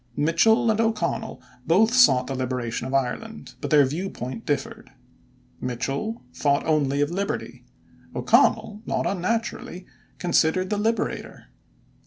Mitchel and O'Connell both sought the liberation of Ireland, but their viewpoint differed. Mitchel thought only of Liberty; O'Connell not unnaturally considered the "Liberator."